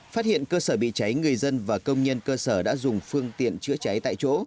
phát hiện cơ sở bị cháy người dân và công nhân cơ sở đã dùng phương tiện chữa cháy tại chỗ